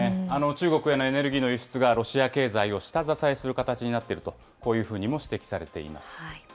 中国へのエネルギーの輸出がロシア経済を下支えする形になっていると、こういうふうにも指摘されています。